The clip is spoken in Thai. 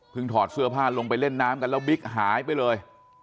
ถอดเสื้อผ้าลงไปเล่นน้ำกันแล้วบิ๊กหายไปเลย